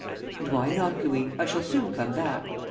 "And why not, Louis? I shall soon come back."